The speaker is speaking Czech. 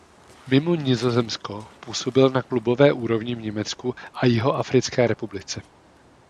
Mimo Nizozemsko působil na klubové úrovni v Německu a Jihoafrické republice.